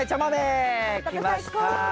きました。